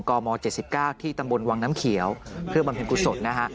กม๗๙ที่ตำบลวังน้ำเขียวเพื่อบำเพ็ญกุศลนะฮะ